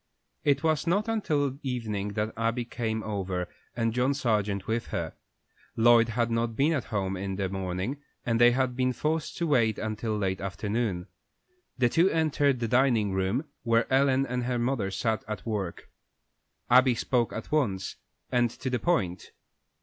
It was not until evening that Abby came over, and John Sargent with her. Lloyd had not been at home in the morning, and they had been forced to wait until late afternoon. The two entered the dining room, where Ellen and her mother sat at work. Abby spoke at once, and to the point.